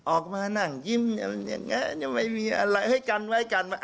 ออกมานั่งยิ้มยังไงยังไม่มีอะไรให้กันไว้กันไว้